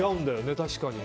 確かに。